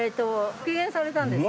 復元されたんです。